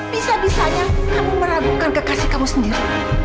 bisa bisanya kamu meragukan kekasih kamu sendiri